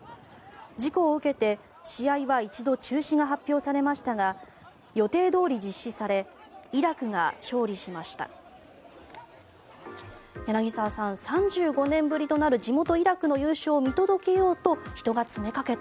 事故を受けて試合は１度中止が発表されましたが予定どおり実施されイラクが勝利しました。